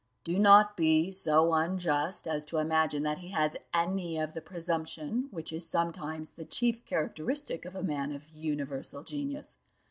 Do not be so unjust as to imagine that he has any of the presumption which is sometimes the chief characteristic of a man of universal genius.